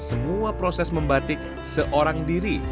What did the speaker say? semua proses membatik seorang diri